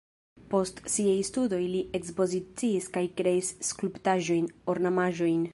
Post siaj studoj li ekspoziciis kaj kreis skulptaĵojn, ornamaĵojn.